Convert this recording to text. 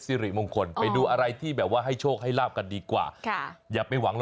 สิริมงคลไปดูอะไรที่แบบว่าให้โชคให้ลาบกันดีกว่าค่ะอย่าไปหวัง